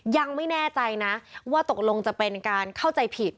ยังไม่แน่ใจนะว่าตกลงจะเป็นการเข้าใจผิด